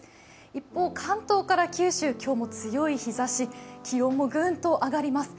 一方、関東から九州、今日も強い日ざし、気温もグーンと上がります。